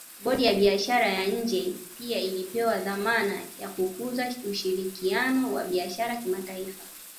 Bodi ya Biashara ya nje pia ilipewa dhamana ya kukuza ushirikiano wa biashara kimataifa